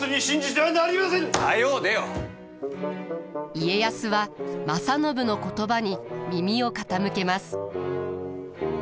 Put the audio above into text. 家康は正信の言葉に耳を傾けます。